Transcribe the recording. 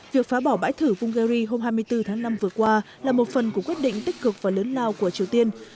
việc phá bỏ bãi thử bungary hôm hai mươi bốn tháng năm vừa qua là một phần của quyết định tích cực và lớn lao của triều tiên